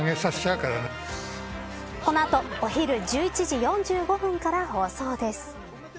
この後、お昼１１時４５分から放送です。